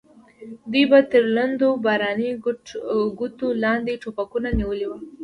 دوی به تر لندو باراني کوټو لاندې ټوپکونه نیولي وو.